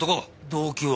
動機は？